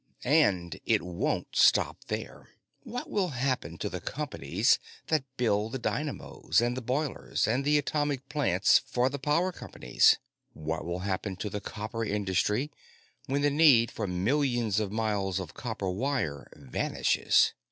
"And it won't stop there. What will happen to the companies that build the dynamos and the boilers and the atomic plants for the power companies? What will happen to the copper industry when the need for millions of miles of copper wire vanishes?